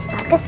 oiya liat deh